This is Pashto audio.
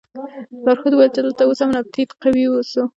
لارښود وویل چې دلته اوس هم نبطي قوم اوسي.